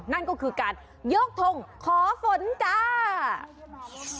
นั่นก็คือการยกธงโขอฝนใช่ไหม